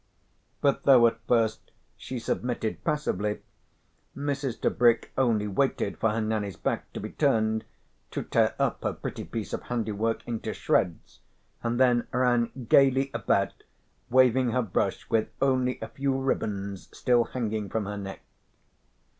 But though at first she submitted passively, Mrs. Tebrick only waited for her Nanny's back to be turned to tear up her pretty piece of handiwork into shreds, and then ran gaily about waving her brush with only a few ribands still hanging from her neck.